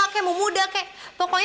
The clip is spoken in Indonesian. kalau apa apa tanya